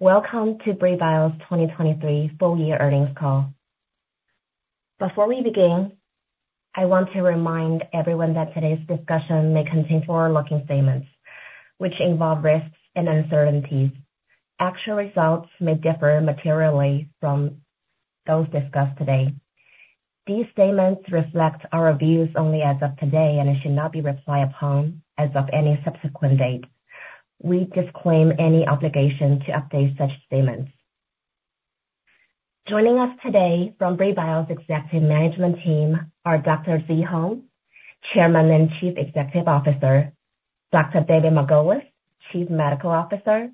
Welcome to Brii Biosciences' 2023 full-year Earnings Call. Before we begin, I want to remind everyone that today's discussion may contain forward-looking statements, which involve risks and uncertainties. Actual results may differ materially from those discussed today. These statements reflect our views only as of today and should not be relied upon as of any subsequent date. We disclaim any obligation to update such statements. Joining us today from Brii Biosciences' executive management team are Dr. Zhi Hong, Chairman and Chief Executive Officer; Dr. David Margolis, Chief Medical Officer;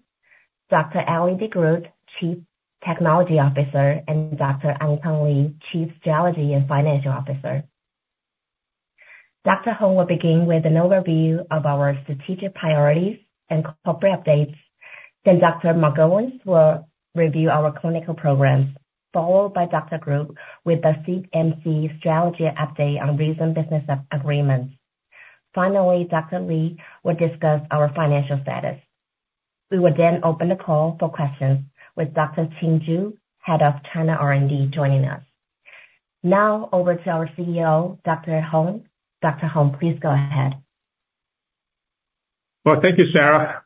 Dr. Ellee de Groot, Chief Technology Officer; and Dr. Ankang Li, Chief Strategy and Financial Officer. Dr. Hong will begin with an overview of our strategic priorities and corporate updates, then Dr. Margolis will review our clinical programs, followed by Dr. de Groot with the CMC strategy update on recent business agreements. Finally, Dr. Li will discuss our financial status. We will then open the call for questions with Dr. Qin Zhu, Head of China R&D, joining us. Now over to our CEO, Dr. Hong. Dr. Hong, please go ahead. Well, thank you, Sarah.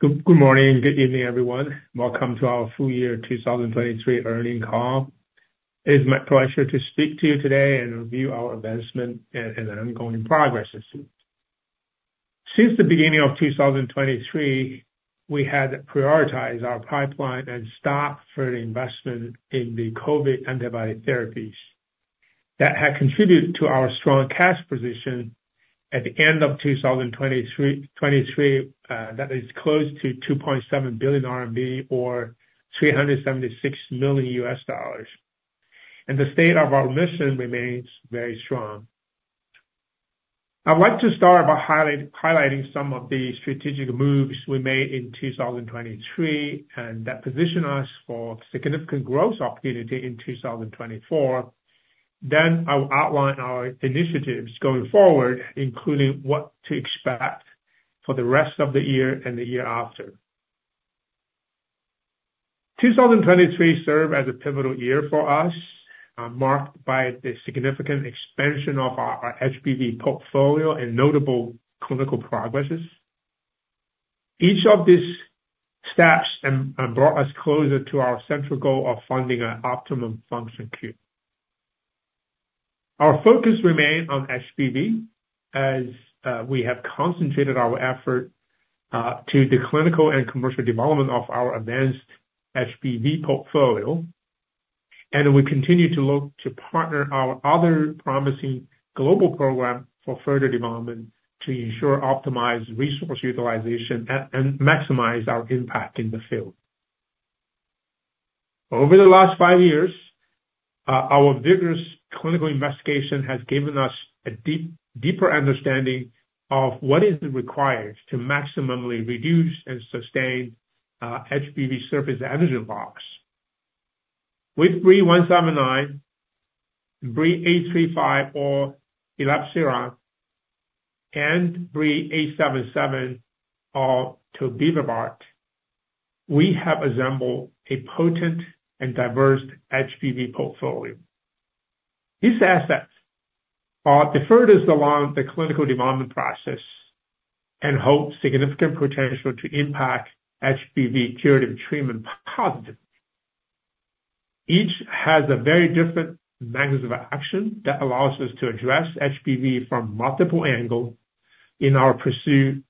Good morning and good evening, everyone. Welcome to our full-year 2023 Earnings Call. It is my pleasure to speak to you today and review our investment and the ongoing progress. Since the beginning of 2023, we had prioritized our pipeline and stock for the investment in the COVID antibody therapies that had contributed to our strong cash position at the end of 2023, that is close to 2.7 billion RMB or $376 million. The state of our mission remains very strong. I'd like to start by highlighting some of the strategic moves we made in 2023 and that position us for significant growth opportunity in 2024. I will outline our initiatives going forward, including what to expect for the rest of the year and the year after. 2023 served as a pivotal year for us, marked by the significant expansion of our HBV portfolio and notable clinical progress. Each of these steps brought us closer to our central goal of achieving an optimal functional cure. Our focus remained on HBV as we have concentrated our effort to the clinical and commercial development of our advanced HBV portfolio, and we continue to look to partner our other promising global program for further development to ensure optimized resource utilization and maximize our impact in the field. Over the last 5 years, our vigorous clinical investigation has given us a deeper understanding of what is required to maximally reduce and sustain HBV surface antigen loss. With BRII-179, BRII-835 or elebsiran, and BRII-877 or tobevibart, we have assembled a potent and diverse HBV portfolio. These assets are advanced along the clinical development process and hold significant potential to impact HBV curative treatment positively. Each has a very different mechanism of action that allows us to address HBV from multiple angles in our pursuit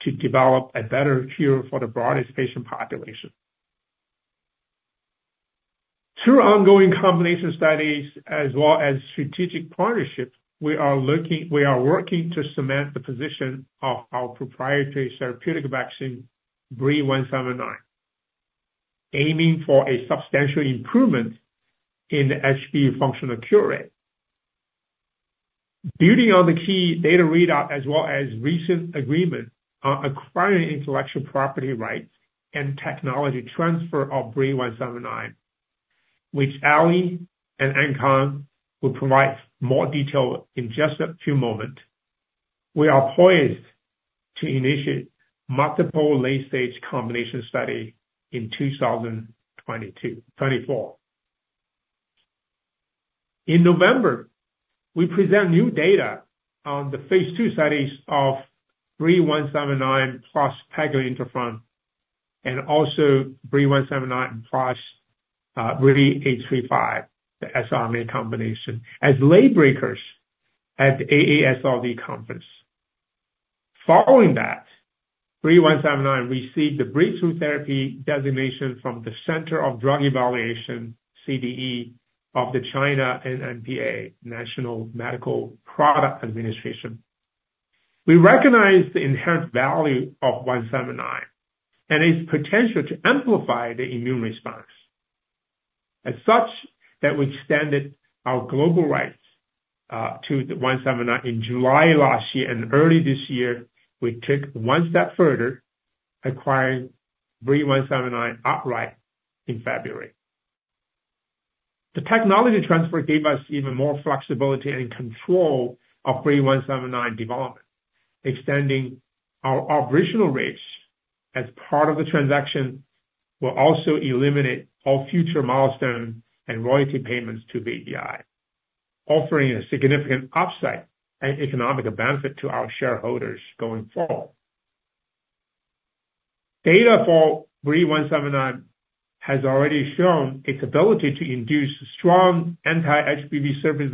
to develop a better cure for the broadest patient population. Through ongoing combination studies as well as strategic partnership, we are working to cement the position of our proprietary therapeutic vaccine, BRII-179, aiming for a substantial improvement in the HBV functional cure rate. Building on the key data readout as well as recent agreement on acquiring intellectual property rights and technology transfer of BRII-179, which Ellee and Ankang will provide more detail in just a few moments, we are poised to initiate multiple late-stage combination studies in 2024. In November, we presented new data on the phase II studies of BRII-179 plus PEG-IFN-alpha and also BRII-179 plus BRII-835, the siRNA combination, as late breakers at the AASLD conference. Following that, BRII-179 received the Breakthrough Therapy designation from the Center for Drug Evaluation, CDE, of the China NMPA, National Medical Products Administration. We recognize the inherent value of BRII-179 and its potential to amplify the immune response. As such, we extended our global rights to the BRII-179 in July last year and early this year. We took one step further, acquiring BRII-179 outright in February. The technology transfer gave us even more flexibility and control of BRII-179 development, extending our operational reach as part of the transaction. We'll also eliminate all future milestone and royalty payments to VBI, offering a significant upside and economic benefit to our shareholders going forward. Data for BRII-179 has already shown its ability to induce strong anti-HBV surface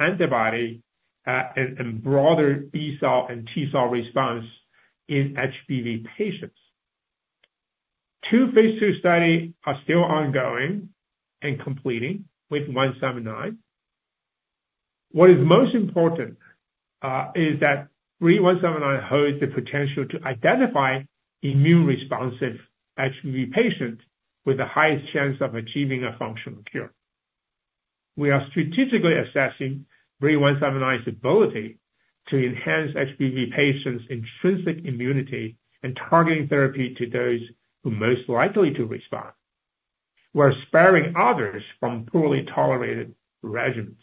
antibody and broader B-cell and T-cell response in HBV patients. Two phase II studies are still ongoing and completing with BRII-179. What is most important is that BRII-179 holds the potential to identify immune-responsive HBV patients with the highest chance of achieving a functional cure. We are strategically assessing BRII-179's ability to enhance HBV patients' intrinsic immunity and targeting therapy to those who are most likely to respond. We're sparing others from poorly tolerated regimens.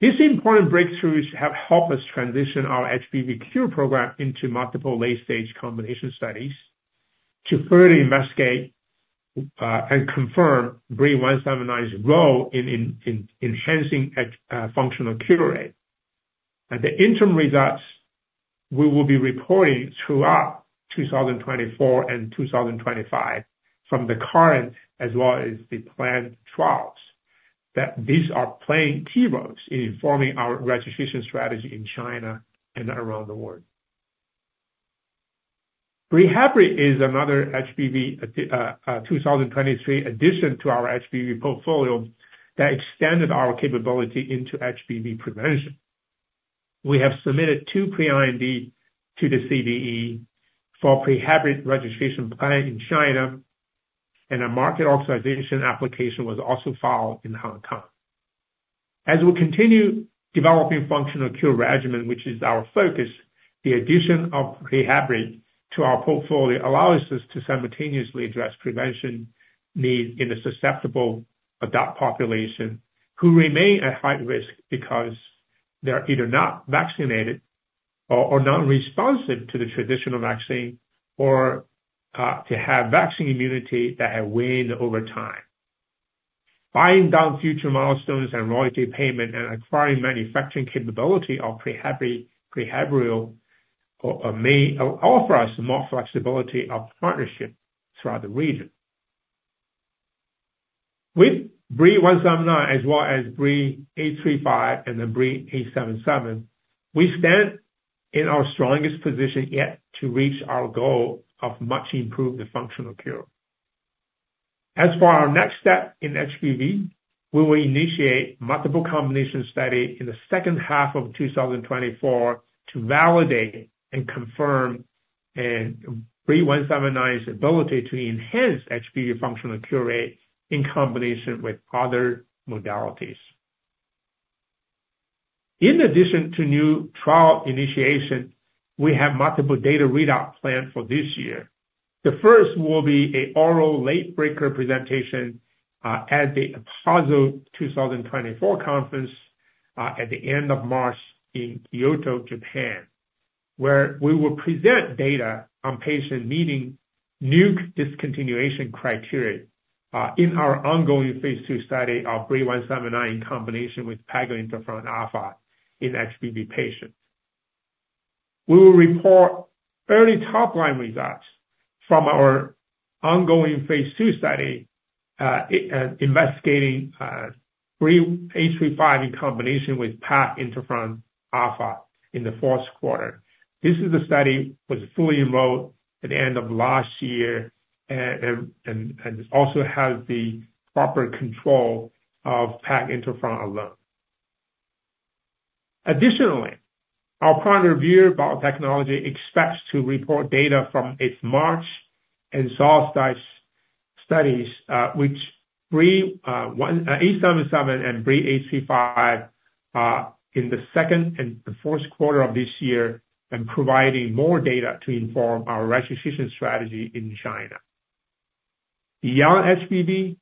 These important breakthroughs have helped us transition our HBV cure program into multiple late-stage combination studies to further investigate and confirm BRII-179's role in enhancing functional cure rate. The interim results we will be reporting throughout 2024 and 2025 from the current as well as the planned trials, that these are playing key roles in informing our registration strategy in China and around the world. PreHevbri is another HBV 2023 addition to our HBV portfolio that extended our capability into HBV prevention. We have submitted two pre-IND to the CDE for a PreHevbri registration plan in China, and a market authorization application was also filed in Hong Kong. As we continue developing functional cure regimen, which is our focus, the addition of PreHevbri to our portfolio allows us to simultaneously address prevention needs in a susceptible adult population who remain at high risk because they're either not vaccinated or non-responsive to the traditional vaccine or to have vaccine immunity that had waned over time. Buying down future milestones and royalty payment and acquiring manufacturing capability of PreHevbri may offer us more flexibility of partnership throughout the region. With BRII-179 as well as BRII-835 and then BRII-877, we stand in our strongest position yet to reach our goal of much improved functional cure. As for our next step in HBV, we will initiate multiple combination studies in the second half of 2024 to validate and confirm BRII-179's ability to enhance HBV functional cure rate in combination with other modalities. In addition to new trial initiation, we have multiple data readouts planned for this year. The first will be an oral late breaker presentation at the APASL 2024 conference at the end of March in Kyoto, Japan, where we will present data on patients meeting NUC discontinuation criteria in our ongoing phase II study of BRII-179 in combination with PEG-IFN-alpha in HBV patients. We will report early top-line results from our ongoing phase II study investigating BRII-835 in combination with PEG-IFN-alpha in the Q4. This study was fully enrolled at the end of last year and also has the proper control of PEG-IFN-alpha alone. Additionally, our partner, Vir Biotechnology, expects to report data from its MARCH and SOLSTICE studies, which BRII-877 and BRII-835 in the second and the Q4 of this year, and providing more data to inform our registration strategy in China. Beyond HBV,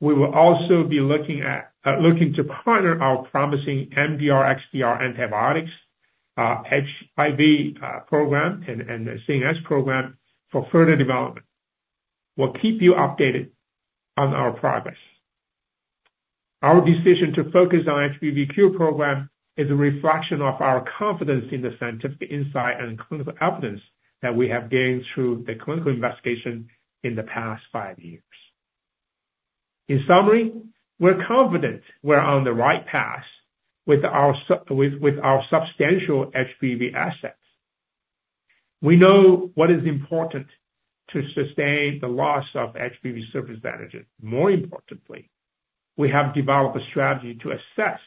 we will also be looking to partner our promising MDR/XDR antibiotics, HIV program and CNS program for further development. We'll keep you updated on our progress. Our decision to focus on the HBV cure program is a reflection of our confidence in the scientific insight and clinical evidence that we have gained through the clinical investigation in the past five years. In summary, we're confident we're on the right path with our substantial HBV assets. We know what is important to sustain the loss of HBV surface antigen. More importantly, we have developed a strategy to assess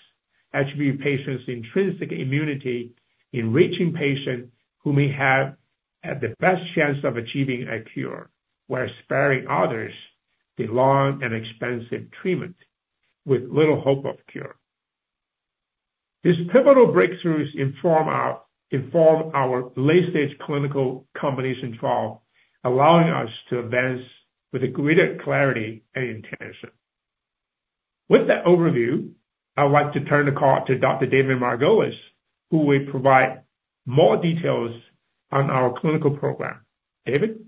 HBV patients' intrinsic immunity in reaching patients who may have the best chance of achieving a cure, while sparing others the long and expensive treatment with little hope of cure. These pivotal breakthroughs inform our late-stage clinical combination trial, allowing us to advance with greater clarity and intention. With that overview, I'd like to turn the call to Dr. David Margolis, who will provide more details on our clinical program. David?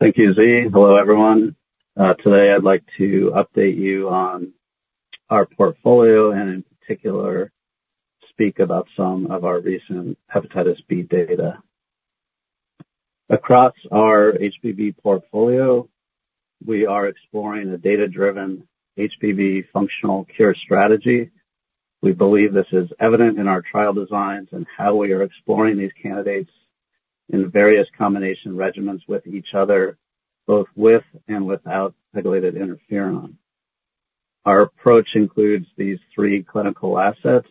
Thank you, Zhi. Hello, everyone. Today, I'd like to update you on our portfolio and, in particular, speak about some of our recent hepatitis B data. Across our HBV portfolio, we are exploring a data-driven HBV functional cure strategy. We believe this is evident in our trial designs and how we are exploring these candidates in various combination regimens with each other, both with and without PEG-IFN-alpha. Our approach includes these three clinical assets.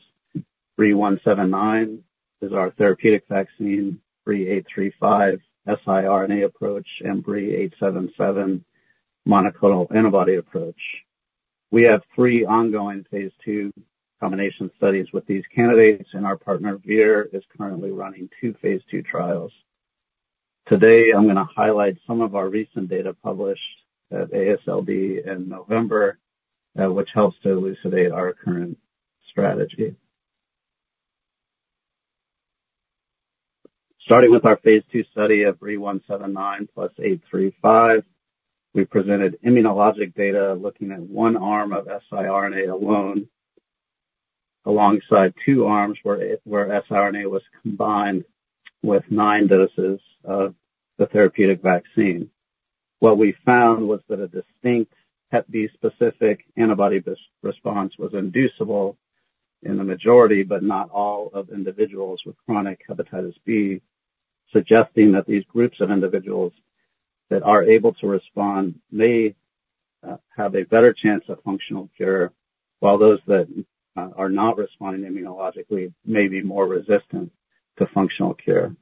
BRII-179 is our therapeutic vaccine, BRII-835 siRNA approach, and BRII-877 monoclonal antibody approach. We have three ongoing phase II combination studies with these candidates, and our partner, Vir, is currently running two phase II trials. Today, I'm going to highlight some of our recent data published at AASLD in November, which helps to elucidate our current strategy. Starting with our phase II study of BRII-179 plus BRII-835, we presented immunologic data looking at one arm of siRNA alone, alongside two arms where siRNA was combined with nine doses of the therapeutic vaccine. What we found was that a distinct Hep B specific antibody response was inducible in the majority but not all of individuals with chronic hepatitis B, suggesting that these groups of individuals that are able to respond may have a better chance of functional cure, while those that are not responding immunologically may be more resistant to functional cure.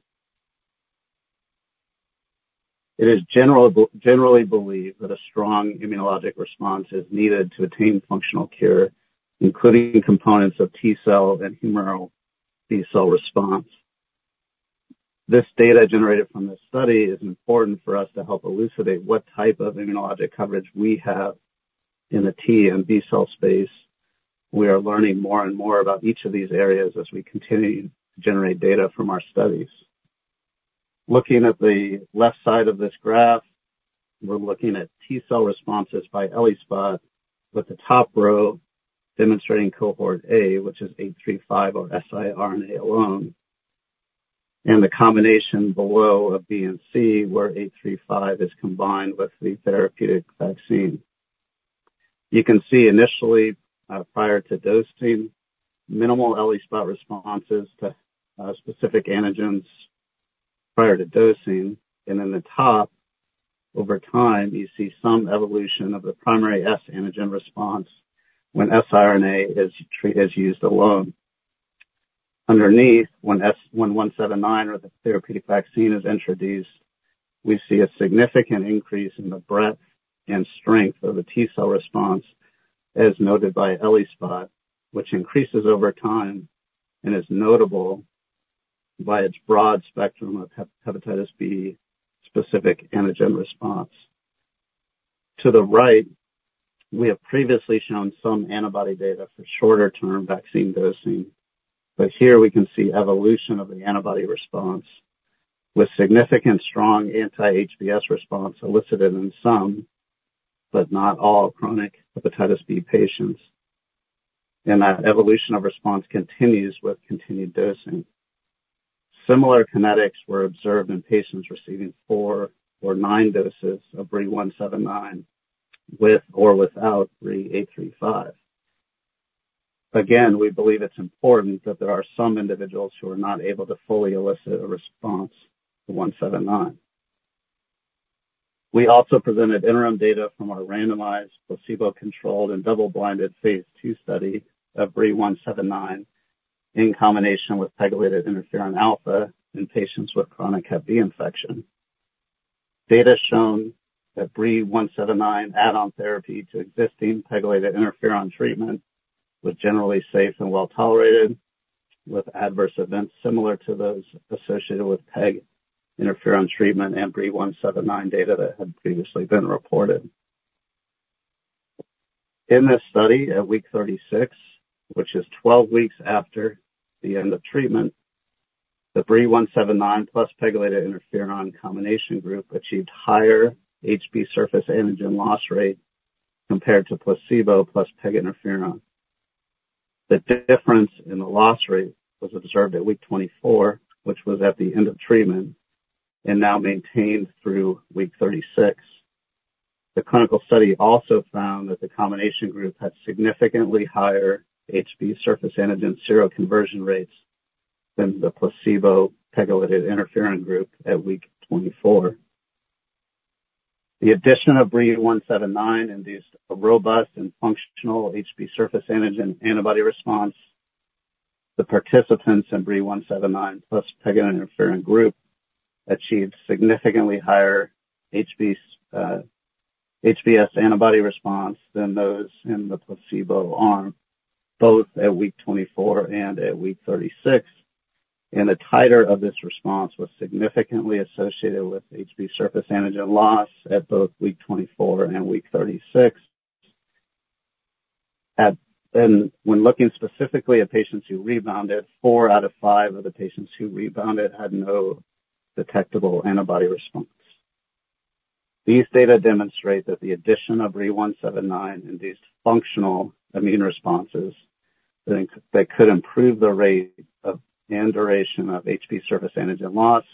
It is generally believed that a strong immunologic response is needed to attain functional cure, including components of T-cell and humoral B-cell response. This data generated from this study is important for us to help elucidate what type of immunologic coverage we have in the T and B-cell space. We are learning more and more about each of these areas as we continue to generate data from our studies. Looking at the left side of this graph, we're looking at T-cell responses by ELISpot with the top row demonstrating cohort A, which is 835 or siRNA alone, and the combination below of B and C where 835 is combined with the therapeutic vaccine. You can see, initially, prior to dosing, minimal ELISpot responses to specific antigens prior to dosing. In the top, over time, you see some evolution of the primary S antigen response when siRNA is used alone. Underneath, when 179 or the therapeutic vaccine is introduced, we see a significant increase in the breadth and strength of the T-cell response, as noted by ELISpot, which increases over time and is notable by its broad spectrum of hepatitis B-specific antigen response. To the right, we have previously shown some antibody data for shorter-term vaccine dosing. But here, we can see evolution of the antibody response with significant, strong anti-HBs response elicited in some but not all chronic hepatitis B patients. And that evolution of response continues with continued dosing. Similar kinetics were observed in patients receiving 4 or 9 doses of BRII-179 with or without BRII-835. Again, we believe it's important that there are some individuals who are not able to fully elicit a response to BRII-179. We also presented interim data from our randomized, placebo-controlled, and double-blinded phase II study of BRII-179 in combination with PEG-IFN-alpha in patients with chronic hep B infection. Data shown that BRII-179 add-on therapy to existing PEG-IFN-alpha treatment was generally safe and well tolerated, with adverse events similar to those associated with PEG-IFN-alpha treatment and BRII-179 data that had previously been reported. In this study, at week 36, which is 12 weeks after the end of treatment, the BRII-179 plus PEG-IFN-alpha combination group achieved higher HBsAg loss rate compared to placebo plus PEG-IFN-alpha. The difference in the loss rate was observed at week 24, which was at the end of treatment, and now maintained through week 36. The clinical study also found that the combination group had significantly higher HBsAg seroconversion rates than the placebo PEG-IFN-alpha group at week 24. The addition of BRII-179 induced a robust and functional HBsAg antibody response. The participants in BRII-179 plus PEG-IFN-alpha group achieved significantly higher HBs antibody response than those in the placebo arm, both at week 24 and at week 36. The titer of this response was significantly associated with HBs surface antigen loss at both week 24 and week 36. When looking specifically at patients who rebounded, four out of five of the patients who rebounded had no detectable antibody response. These data demonstrate that the addition of BRII-179 induced functional immune responses that could improve the rate and duration of HBs surface antigen loss,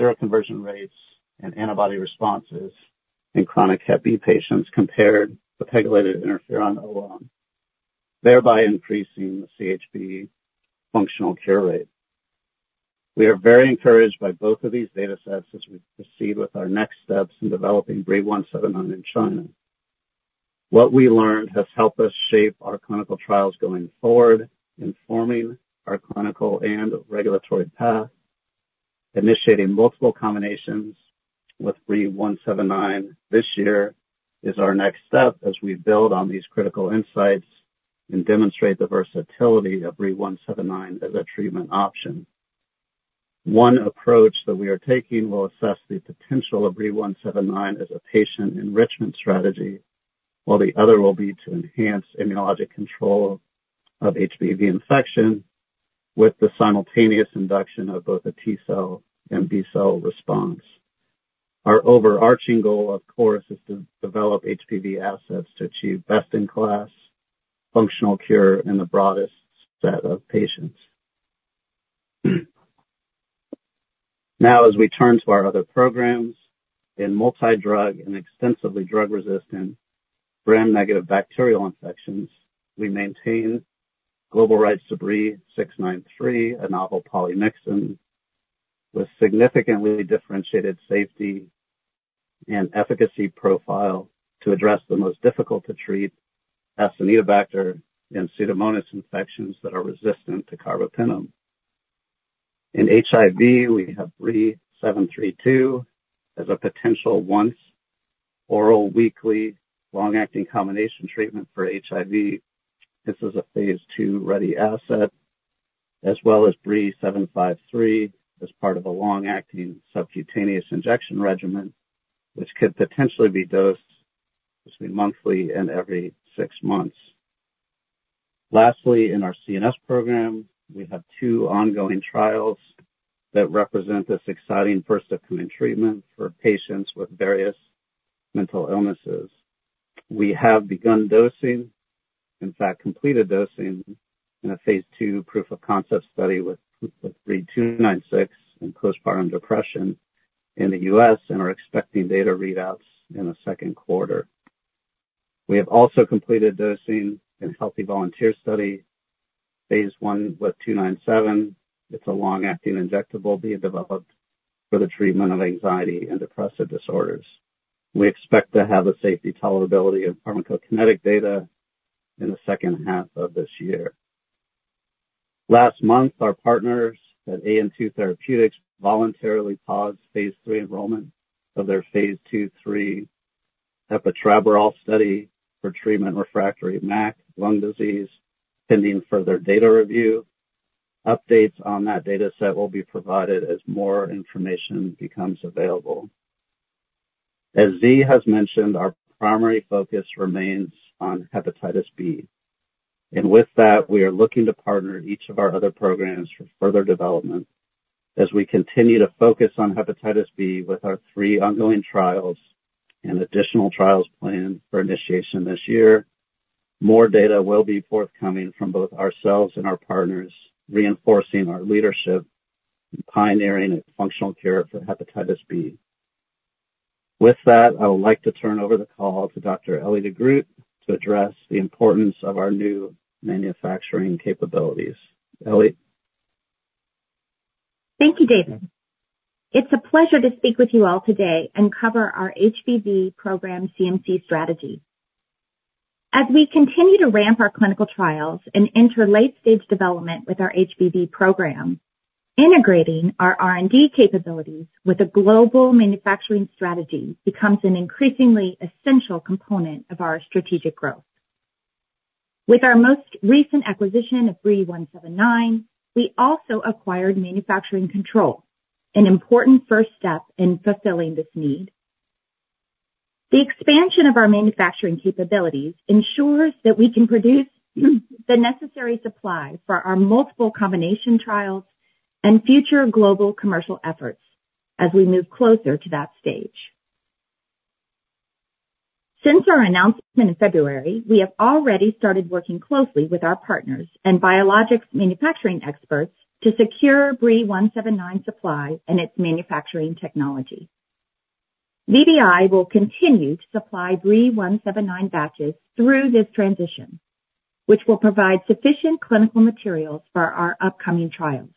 seroconversion rates, and antibody responses in chronic hep B patients compared to PEG-IFN-alpha alone, thereby increasing the CHB functional cure rate. We are very encouraged by both of these data sets as we proceed with our next steps in developing BRII-179 in China. What we learned has helped us shape our clinical trials going forward, informing our clinical and regulatory path. Initiating multiple combinations with BRII-179 this year is our next step as we build on these critical insights and demonstrate the versatility of BRII-179 as a treatment option. One approach that we are taking will assess the potential of BRII-179 as a patient enrichment strategy, while the other will be to enhance immunologic control of HBV infection with the simultaneous induction of both a T-cell and B-cell response. Our overarching goal, of course, is to develop HBV assets to achieve best-in-class functional cure in the broadest set of patients. Now, as we turn to our other programs, in multi-drug and extensively drug-resistant Gram-negative bacterial infections, we maintain global rights to BRII-693, a novel polymyxin, with significantly differentiated safety and efficacy profile to address the most difficult-to-treat S and E bacteria and Pseudomonas infections that are resistant to carbapenem. In HIV, we have BRII-732 as a potential once-oral weekly long-acting combination treatment for HIV. This is a phase II ready asset, as well as BRII-753 as part of a long-acting subcutaneous injection regimen, which could potentially be dosed between monthly and every 6 months. Lastly, in our CNS program, we have 2 ongoing trials that represent this exciting first-of-its-kind treatment for patients with various mental illnesses. We have begun dosing, in fact, completed dosing in a phase II proof-of-concept study with BRII-296 and postpartum depression in the U.S. and are expecting data readouts in the Q2. We have also completed dosing in a healthy volunteer study, phase I with BRII-297. It's a long-acting injectable being developed for the treatment of anxiety and depressive disorders. We expect to have a safety, tolerability, and pharmacokinetic data in the second half of this year. Last month, our partners at AN2 Therapeutics voluntarily paused phase III enrollment of their phase II/III epetraborole study for treatment-refractory MAC lung disease, pending further data review. Updates on that data set will be provided as more information becomes available. As Zhi has mentioned, our primary focus remains on hepatitis B. And with that, we are looking to partner each of our other programs for further development. As we continue to focus on hepatitis B with our three ongoing trials and additional trials planned for initiation this year, more data will be forthcoming from both ourselves and our partners, reinforcing our leadership and pioneering functional cure for hepatitis B. With that, I would like to turn over the call to Dr. Ellee de Groot to address the importance of our new manufacturing capabilities. Ellee? Thank you, David. It's a pleasure to speak with you all today and cover our HBV program CMC strategy. As we continue to ramp our clinical trials and enter late-stage development with our HBV program, integrating our R&D capabilities with a global manufacturing strategy becomes an increasingly essential component of our strategic growth. With our most recent acquisition of BRII-179, we also acquired manufacturing control, an important first step in fulfilling this need. The expansion of our manufacturing capabilities ensures that we can produce the necessary supply for our multiple combination trials and future global commercial efforts as we move closer to that stage. Since our announcement in February, we have already started working closely with our partners and biologics manufacturing experts to secure BRII-179 supply and its manufacturing technology. VBI will continue to supply BRII-179 batches through this transition, which will provide sufficient clinical materials for our upcoming trials.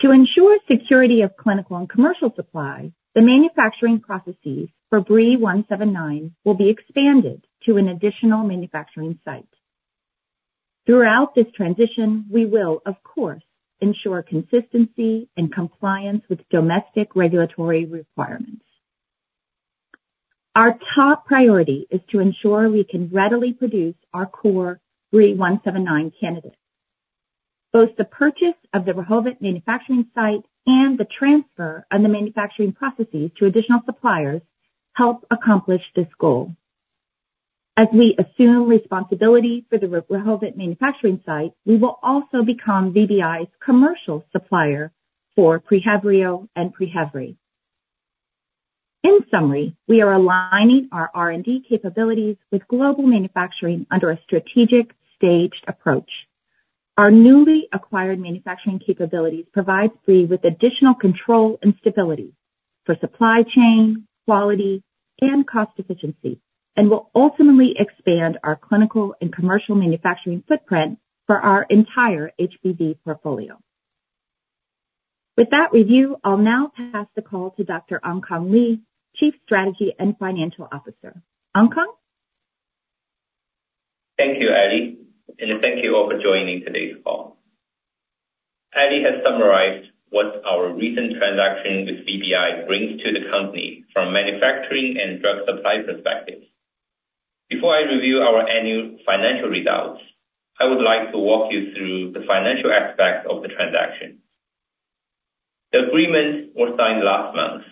To ensure security of clinical and commercial supply, the manufacturing processes for BRII-179 will be expanded to an additional manufacturing site. Throughout this transition, we will, of course, ensure consistency and compliance with domestic regulatory requirements. Our top priority is to ensure we can readily produce our core BRII-179 candidates. Both the purchase of the Rehovot manufacturing site and the transfer and the manufacturing processes to additional suppliers help accomplish this goal. As we assume responsibility for the Rehovot manufacturing site, we will also become VBI's commercial supplier for PreHevbrio and PreHevbri. In summary, we are aligning our R&D capabilities with global manufacturing under a strategic staged approach. Our newly acquired manufacturing capabilities provide Brii with additional control and stability for supply chain, quality, and cost efficiency, and will ultimately expand our clinical and commercial manufacturing footprint for our entire HBV portfolio. With that review, I'll now pass the call to Dr. Ankang Li, Chief Strategy and Financial Officer. Ankang? Thank you, Ellee. Thank you all for joining today's call. Ellie has summarized what our recent transaction with VBI brings to the company from a manufacturing and drug supply perspective. Before I review our annual financial results, I would like to walk you through the financial aspects of the transaction. The agreement was signed last month.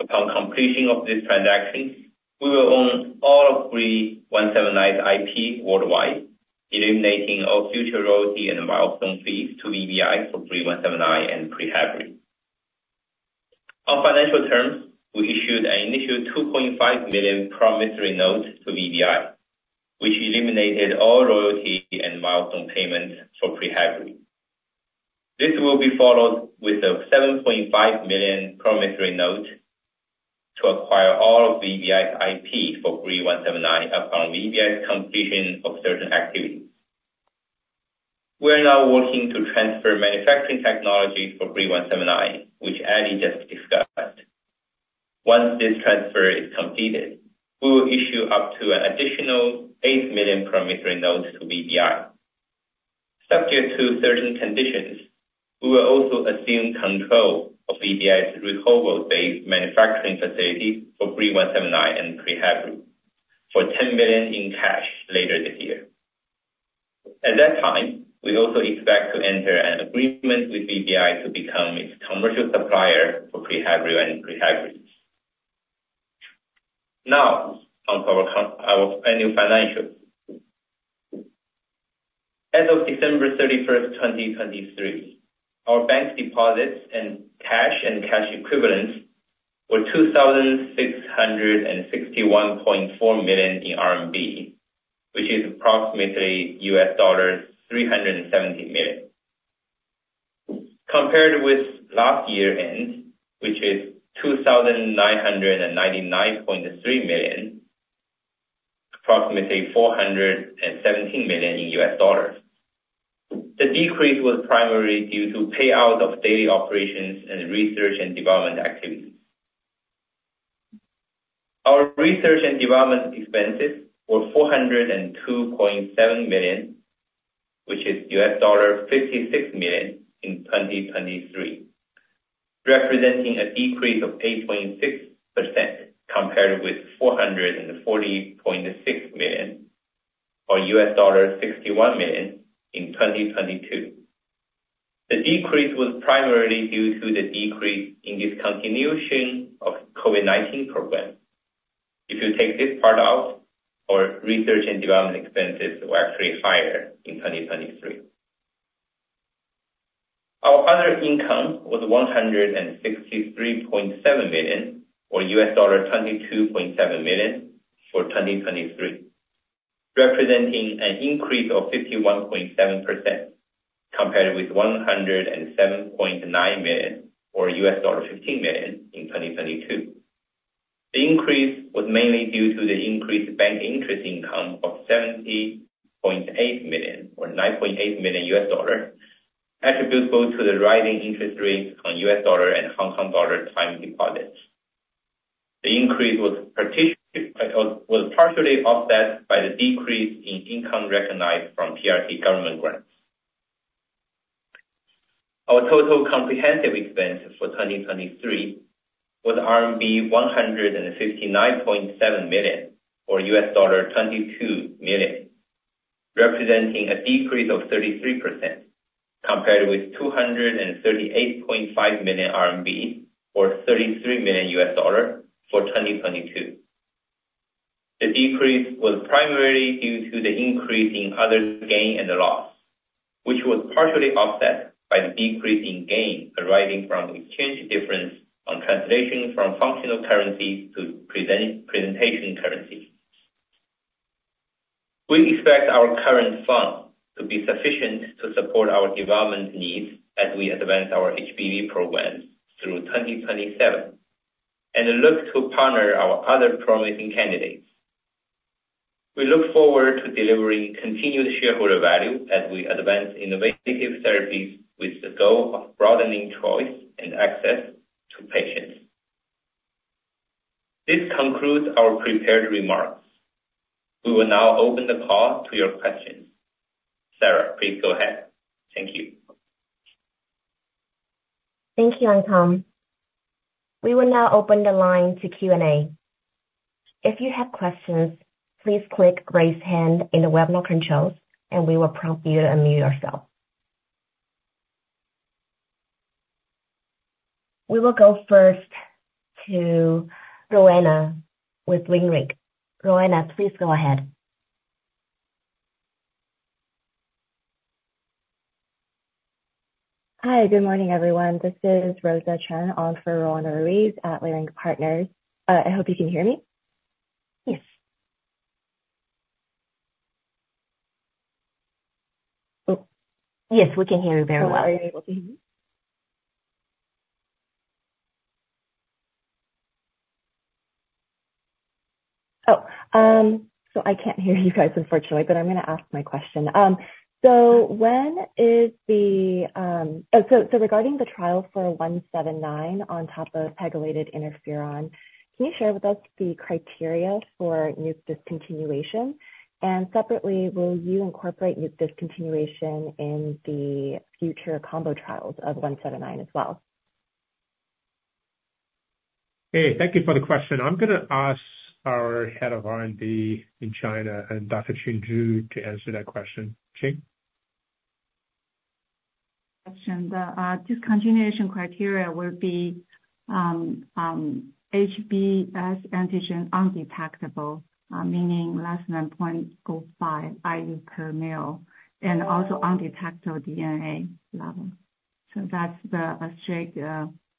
Upon completion of this transaction, we will own all of BRII-179's IP worldwide, eliminating all future royalty and milestone fees to VBI for BRII-179 and PreHevbri. On financial terms, we issued an initial $2.5 million promissory note to VBI, which eliminated all royalty and milestone payments for PreHevbri. This will be followed with a $7.5 million promissory note to acquire all of VBI's IP for BRII-179 upon VBI's completion of certain activities. We are now working to transfer manufacturing technology for BRII-179, which Ellee just discussed. Once this transfer is completed, we will issue up to an additional 8 million promissory notes to VBI. Subject to certain conditions, we will also assume control of VBI's Rehovot-based manufacturing facilities for BRII-179 and PreHevbri for $10 million in cash later this year. At that time, we also expect to enter an agreement with VBI to become its commercial supplier for PreHevbrio and PreHevbri. Now, on our annual financials. As of December 31st, 2023, our bank deposits and cash and cash equivalents were 2,661.4 million RMB, which is approximately $370 million. Compared with last year's end, which is 2,999.3 million, approximately $417 million. The decrease was primarily due to payouts of daily operations and research and development activities. Our research and development expenses were 402.7 million, which is $56 million in 2023, representing a decrease of 8.6% compared with 440.6 million or $61 million in 2022. The decrease was primarily due to the decrease in discontinuation of the COVID-19 program. If you take this part out, our research and development expenses were actually higher in 2023. Our other income was 163.7 million or $22.7 million for 2023, representing an increase of 51.7% compared with 107.9 million or $15 million in 2022. The increase was mainly due to the increased bank interest income of 70.8 million or $9.8 million attributable to the rising interest rates on US dollar and Hong Kong dollar time deposits. The increase was partially offset by the decrease in income recognized from PRC government grants. Our total comprehensive expense for 2023 was RMB 159.7 million or $22 million, representing a decrease of 33% compared with 238.5 million RMB or $33 million for 2022. The decrease was primarily due to the increase in other gain and loss, which was partially offset by the decrease in gain arising from exchange difference on translation from functional currencies to presentation currencies. We expect our current fund to be sufficient to support our development needs as we advance our HBV programs through 2027 and look to partner our other promising candidates. We look forward to delivering continued shareholder value as we advance innovative therapies with the goal of broadening choice and access to patients. This concludes our prepared remarks. We will now open the call to your questions. Sarah, please go ahead. Thank you. Thank you, Ankang. We will now open the line to Q&A. If you have questions, please click raise hand in the webinar controls, and we will prompt you to unmute yourself. We will go first to Roanna with Leerink. Roanna, please go ahead. Hi. Good morning, everyone. This is Rosa Chen on for Roanna Ruiz at Leerink Partners. I hope you can hear me. Yes. Oh. Yes, we can hear you very well. Are you able to hear me? Oh. So I can't hear you guys, unfortunately, but I'm going to ask my question. So, regarding the trial for 179 on top of pegylated interferon, can you share with us the criteria for NUC discontinuation? And separately, will you incorporate NUC discontinuation in the future combo trials of 179 as well? Hey, thank you for the question. I'm going to ask our head of R&D in China, Dr. Qin Zhu, to answer that question. Qin? Discontinuation criteria will be HBsAg undetectable, meaning less than 0.05 IU per mL, and also undetectable DNA level. That's the strict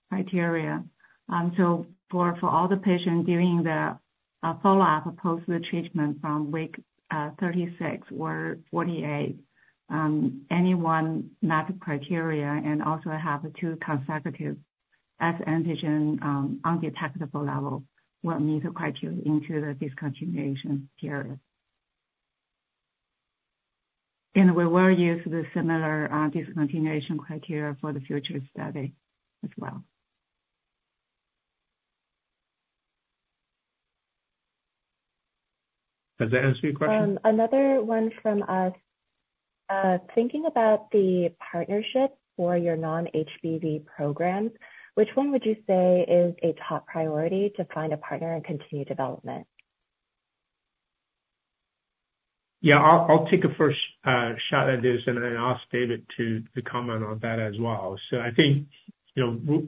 criteria. For all the patients doing the follow-up post-treatment from week 36 or 48, anyone met the criteria and also have two consecutive HBsAg undetectable level will meet the criteria into the discontinuation period. We will use the similar discontinuation criteria for the future study as well. Does that answer your question? Another one from us. Thinking about the partnership for your non-HBV program, which one would you say is a top priority to find a partner in continued development? Yeah. I'll take a first shot at this and then ask David to comment on that as well. So I think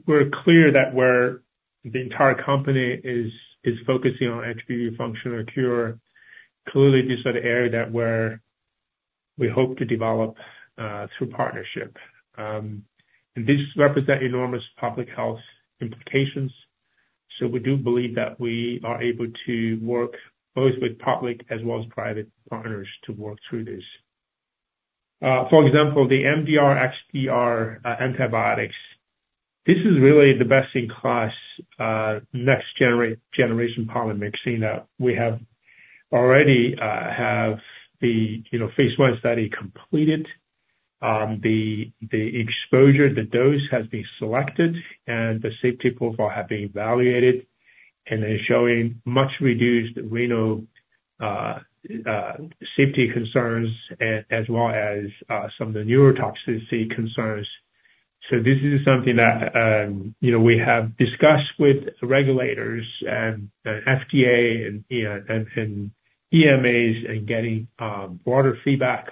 we're clear that where the entire company is focusing on HBV functional cure clearly this is an area that we hope to develop through partnership. And these represent enormous public health implications. So we do believe that we are able to work both with public as well as private partners to work through this. For example, the MDR XDR antibiotics, this is really the best-in-class next-generation polymyxin that we already have the phase I study completed. The exposure, the dose has been selected, and the safety profile has been evaluated and is showing much reduced renal safety concerns as well as some of the neurotoxicity concerns. So this is something that we have discussed with regulators and FDA and EMAs and getting broader feedback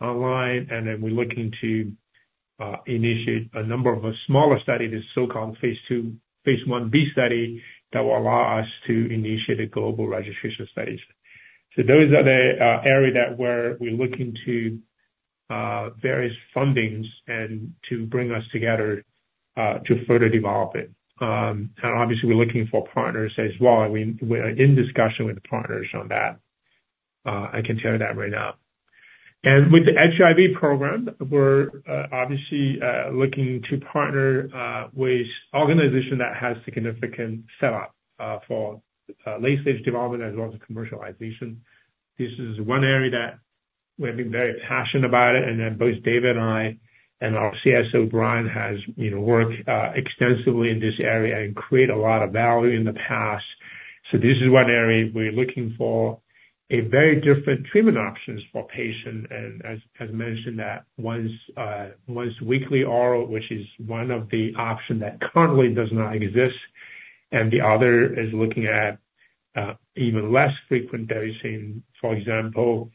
online. And then we're looking to initiate a number of smaller studies, the so-called phase Ib study that will allow us to initiate the global registration studies. So those are the areas where we're looking to various fundings and to bring us together to further develop it. And obviously, we're looking for partners as well. We are in discussion with the partners on that. I can tell you that right now. And with the HIV program, we're obviously looking to partner with an organization that has significant setup for late-stage development as well as commercialization. This is one area that we have been very passionate about. And then both David and I and our CSO, Brian, has worked extensively in this area and created a lot of value in the past. So this is one area we're looking for, a very different treatment options for patients. As mentioned, that once-weekly oral, which is one of the options that currently does not exist. And the other is looking at even less frequent dosing. For example,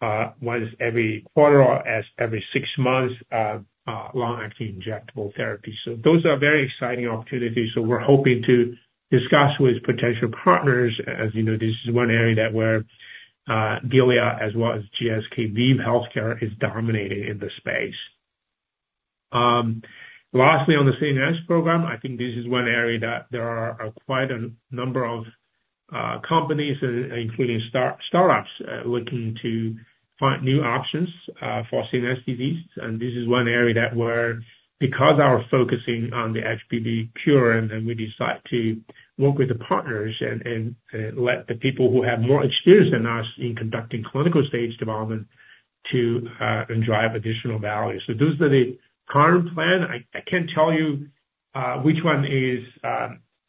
once every quarter or as every six months, long-acting injectable therapy. So those are very exciting opportunities. So we're hoping to discuss with potential partners. As you know, this is one area where Gilead as well as GSK ViiV Healthcare is dominating in the space. Lastly, on the CNS program, I think this is one area that there are quite a number of companies, including startups, looking to find new options for CNS diseases. And this is one area that where because our focusing on the HBV cure, and then we decide to work with the partners and let the people who have more experience than us in conducting clinical stage development drive additional value. So those are the current plan. I can't tell you which one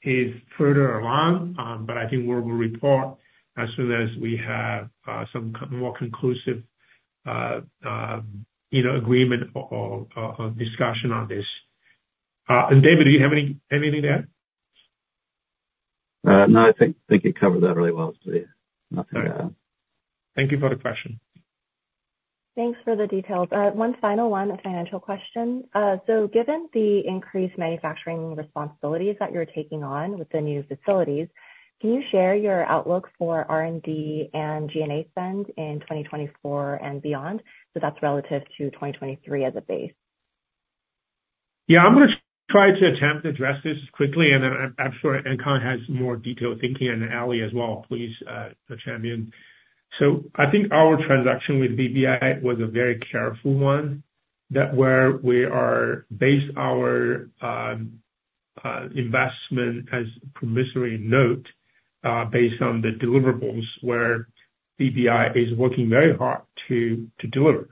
is further along, but I think we'll report as soon as we have some more conclusive agreement or discussion on this. And David, do you have anything there? No, I think it covered that really well, please. Nothing else. Thank you for the question. Thanks for the details. One final one, a financial question. So given the increased manufacturing responsibilities that you're taking on with the new facilities, can you share your outlook for R&D and G&A spend in 2024 and beyond? So that's relative to 2023 as a base. Yeah. I'm going to try to attempt to address this quickly. Then I'm sure Ankang Li has more detailed thinking and Ellee de Groot as well, please chime in. So I think our transaction with VBI was a very careful one where we based our investment as a convertible note based on the deliverables where VBI is working very hard to deliver.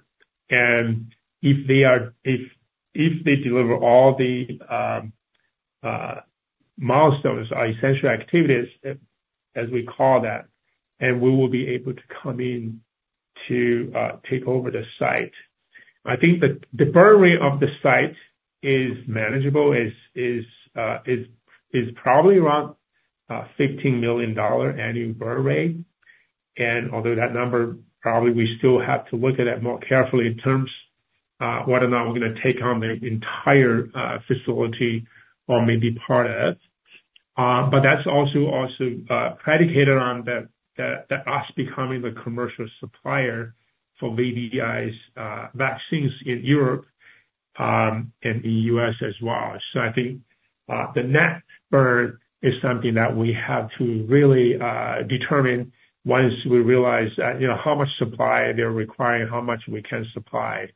And if they deliver all the milestones or essential activities, as we call that, and we will be able to come in to take over the site, I think the burn rate of the site is manageable. It's probably around $15 million annual burn rate. And although that number, probably we still have to look at that more carefully in terms of whether or not we're going to take on the entire facility or maybe part of it. But that's also predicated on us becoming the commercial supplier for VBI's vaccines in Europe and in the U.S. as well. So I think the net burn is something that we have to really determine once we realize how much supply they're requiring, how much we can supply.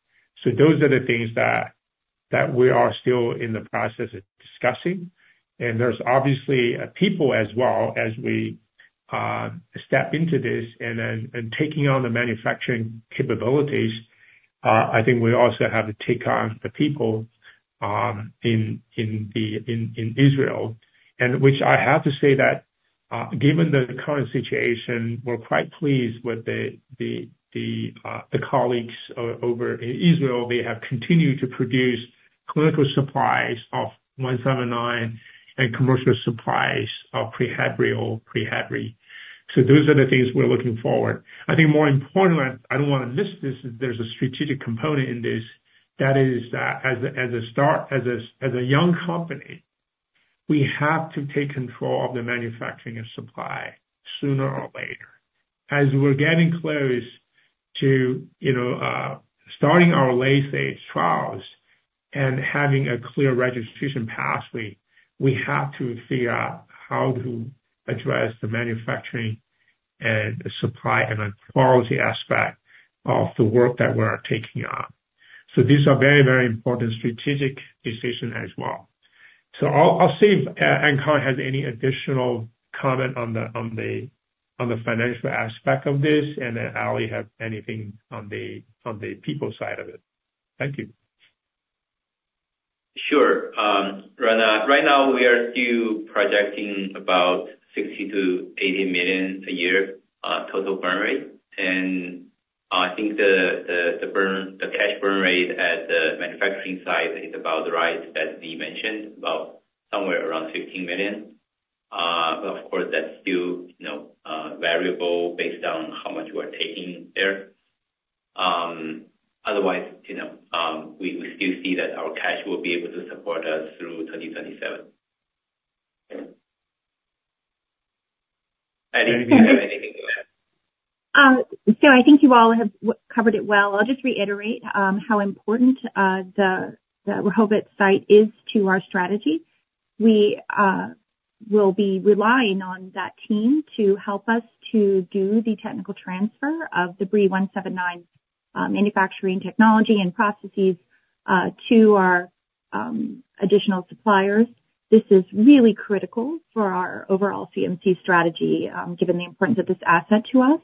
So those are the things that we are still in the process of discussing. And there's obviously people as well as we step into this and taking on the manufacturing capabilities. I think we also have to take on the people in Israel, which I have to say that given the current situation, we're quite pleased with the colleagues over in Israel. They have continued to produce clinical supplies of 179 and commercial supplies of PreHevbri, PreHevbri. So those are the things we're looking forward. I think more importantly, I don't want to miss this, there's a strategic component in this. That is that as a start, as a young company, we have to take control of the manufacturing and supply sooner or later. As we're getting close to starting our late-stage trials and having a clear registration pathway, we have to figure out how to address the manufacturing and the supply and the quality aspect of the work that we are taking on. So these are very, very important strategic decisions as well. So I'll see if Ankang has any additional comment on the financial aspect of this and then Ellee have anything on the people side of it. Thank you. Sure. Right now, we are still projecting about $60-$80 million a year total burn rate. And I think the cash burn rate at the manufacturing side is about the size that we mentioned, about somewhere around $15 million. But of course, that's still variable based on how much we are making there. Otherwise, we still see that our cash will be able to support us through 2027. Eddie, do you have anything to add? So I think you all have covered it well. I'll just reiterate how important the Rehovot site is to our strategy. We will be relying on that team to help us to do the technical transfer of the BRII-179 manufacturing technology and processes to our additional suppliers. This is really critical for our overall CMC strategy given the importance of this asset to us.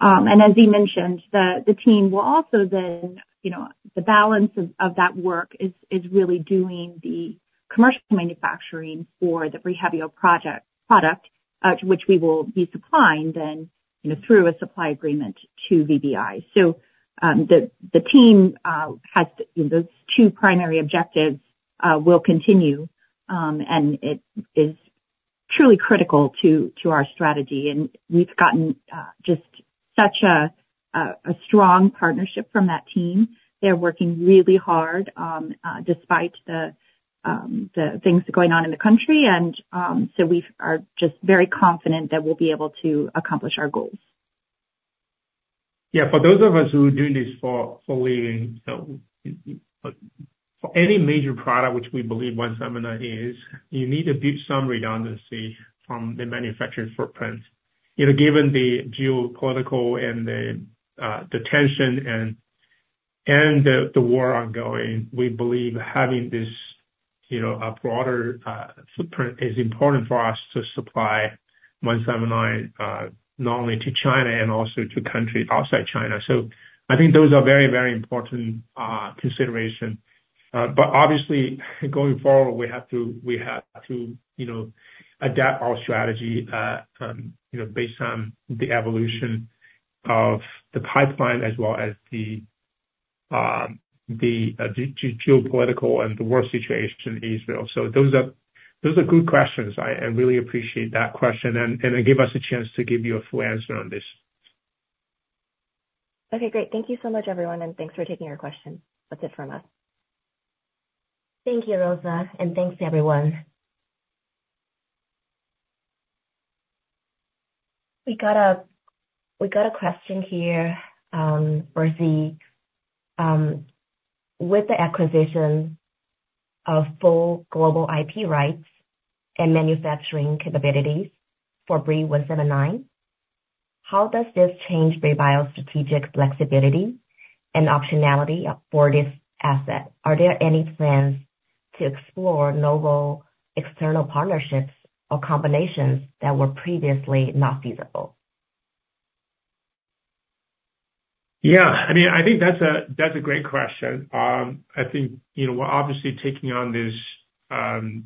And as he mentioned, the team will also then the balance of that work is really doing the commercial manufacturing for the PreHevbri product to which we will be supplying then through a supply agreement to VBI. So the team has those two primary objectives will continue. And it is truly critical to our strategy. And we've gotten just such a strong partnership from that team. They're working really hard despite the things going on in the country. We are just very confident that we'll be able to accomplish our goals. Yeah. For those of us who are doing this for any major product, which we believe 179 is, you need a bit of some redundancy from the manufacturing footprint. Given the geopolitical and the tension and the war ongoing, we believe having this broader footprint is important for us to supply 179 not only to China and also to countries outside China. So I think those are very, very important considerations. But obviously, going forward, we have to adapt our strategy based on the evolution of the pipeline as well as the geopolitical and the war situation in Israel. So those are good questions. I really appreciate that question. And it gave us a chance to give you a full answer on this. Okay. Great. Thank you so much, everyone. Thanks for taking your questions. That's it from us. Thank you, Rosa. Thanks, everyone. We got a question here for Zhi. With the acquisition of full global IP rights and manufacturing capabilities for BRII-179, how does this change Brii Bio's strategic flexibility and optionality for this asset? Are there any plans to explore novel external partnerships or combinations that were previously not feasible? Yeah. I mean, I think that's a great question. I think we're obviously taking on this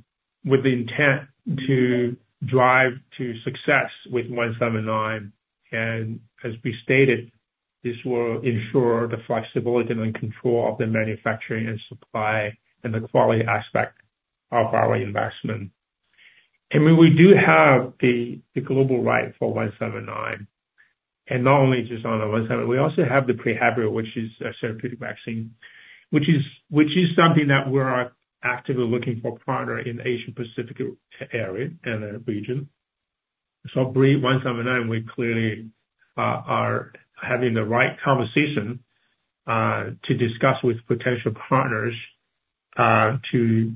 with the intent to drive to success with BRII-179. And as we stated, this will ensure the flexibility and control of the manufacturing and supply and the quality aspect of our investment. I mean, we do have the global right for BRII-179. And not only just on the BRII-179, we also have the PreHevbri, which is a therapeutic vaccine, which is something that we're actively looking for partners in the Asia-Pacific area and the region. So BRII-179, we clearly are having the right conversation to discuss with potential partners to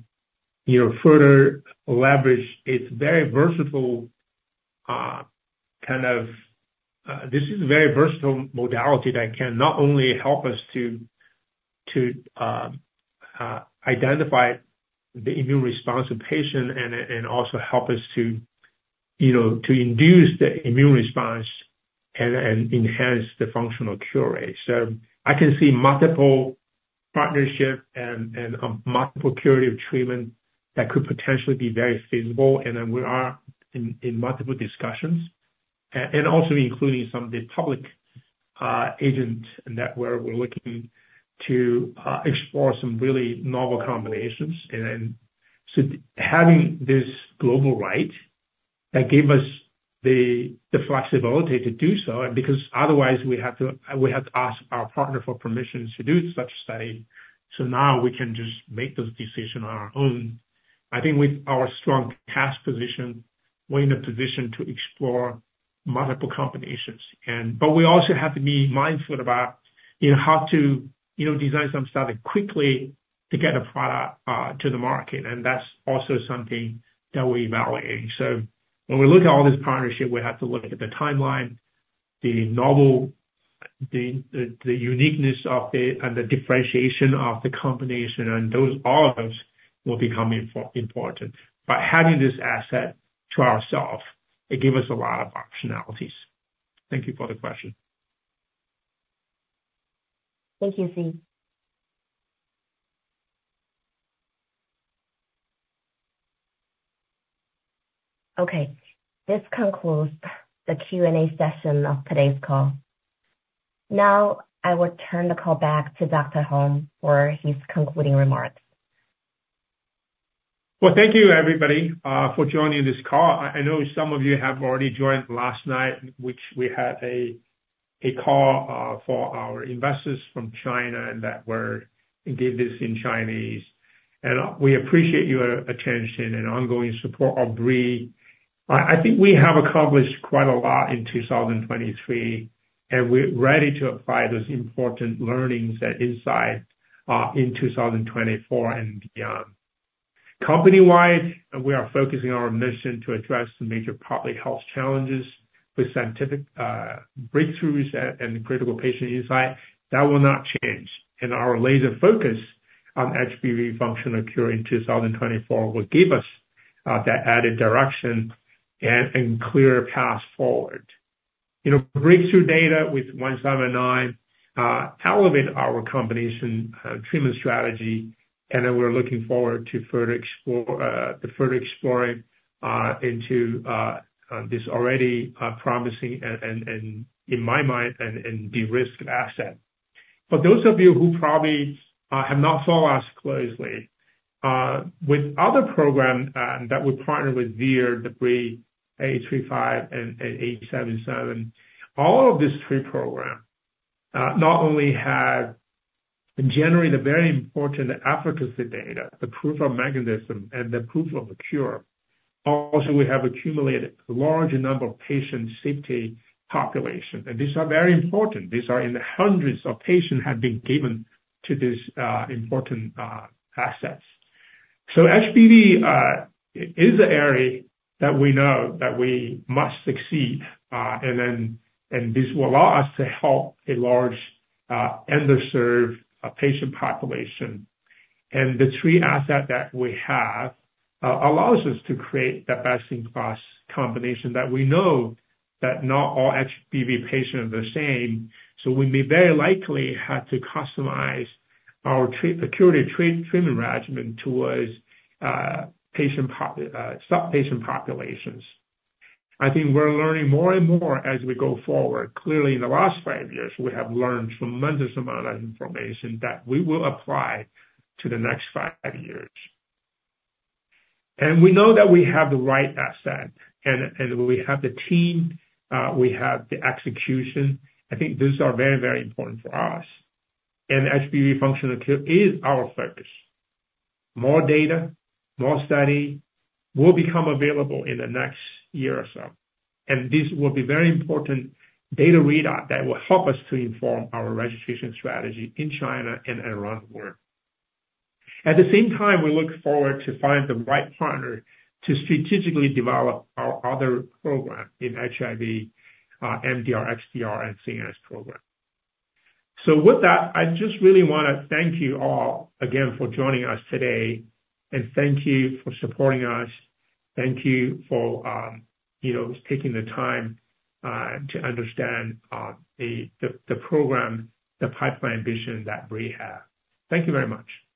further leverage its very versatile kind of this is a very versatile modality that can not only help us to identify the immune response of patients and also help us to induce the immune response and enhance the functional cure rate. So I can see multiple partnerships and multiple curative treatments that could potentially be very feasible. And then we are in multiple discussions and also including some of the public agents where we're looking to explore some really novel combinations. And so having this global right, that gave us the flexibility to do so because otherwise, we had to ask our partner for permission to do such a study. So now we can just make those decisions on our own. I think with our strong cash position, we're in a position to explore multiple combinations. But we also have to be mindful about how to design some study quickly to get a product to the market. And that's also something that we're evaluating. So when we look at all this partnership, we have to look at the timeline, the uniqueness of it, and the differentiation of the combination. All of those will become important. But having this asset to ourselves, it gave us a lot of optionalities. Thank you for the question. Thank you, Zhi. Okay. This concludes the Q&A session of today's call. Now, I will turn the call back to Dr. Hong for his concluding remarks. Well, thank you, everybody, for joining this call. I know some of you have already joined last night, which we had a call for our investors from China that gave this in Chinese. We appreciate your attention and ongoing support of Brii. I think we have accomplished quite a lot in 2023, and we're ready to apply those important learnings and insights in 2024 and beyond. Company-wide, we are focusing our mission to address the major public health challenges with scientific breakthroughs and critical patient insight. That will not change. Our laser focus on HBV functional cure in 2024 will give us that added direction and clear path forward. Breakthrough data with 179 elevate our combination treatment strategy. Then we're looking forward to further exploring into this already promising and, in my mind, a de-risk asset. For those of you who probably have not followed us closely, with other programs that we partner with ViiV, the BRII-835, and BRII-877, all of these three programs not only have generated very important efficacy data, the proof of mechanism, and the proof of a cure, also, we have accumulated a large number of patient safety populations. These are very important. These are in the hundreds of patients that have been given to these important assets. So HBV is an area that we know that we must succeed. And then this will allow us to help a large underserved patient population. And the three assets that we have allow us to create the best-in-class combination that we know that not all HBV patients are the same. So we may very likely have to customize our curative treatment regimen towards sub-patient populations. I think we're learning more and more as we go forward. Clearly, in the last five years, we have learned tremendous amounts of information that we will apply to the next five years. We know that we have the right asset. We have the team. We have the execution. I think these are very, very important for us. HBV functional cure is our focus. More data, more study will become available in the next year or so. This will be very important data readout that will help us to inform our registration strategy in China and around the world. At the same time, we look forward to finding the right partner to strategically develop our other program in HIV, MDR, XDR, and CNS program. With that, I just really want to thank you all again for joining us today. Thank you for supporting us. Thank you for taking the time to understand the program, the pipeline vision that Brii has. Thank you very much.